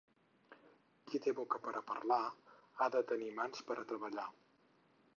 Qui té boca per a parlar ha de tenir mans per a treballar.